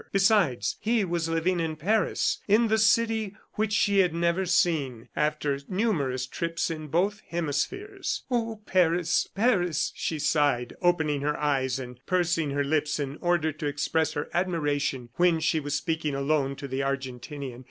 Besides, he was living in Paris, in the city which she had never seen after numerous trips in both hemispheres. "Oh, Paris! Paris!" she sighed, opening her eyes and pursing her lips in order to express her admiration when she was speaking alone to the Argentinian.